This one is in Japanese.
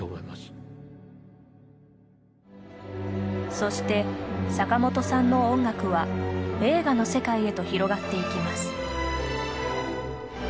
そして、坂本さんの音楽は映画の世界へと広がっていきます。